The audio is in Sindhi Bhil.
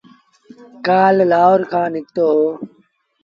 ڪآل لآهور کآݩ نکتو اهي